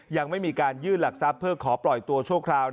ยังไม่มีการยื่นหลักทรัพย์เพื่อขอปล่อยตัวชั่วคราว